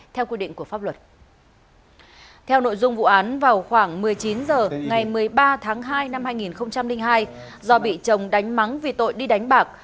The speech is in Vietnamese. ba tháng hai năm hai nghìn hai do bị chồng đánh mắng vì tội đi đánh bạc